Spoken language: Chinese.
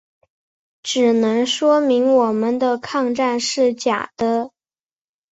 只能说明我们的抗战是假的。